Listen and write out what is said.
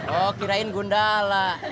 oh kirain gundala